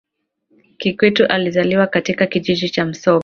kikwete alizaliwa katika kijiji cha msoga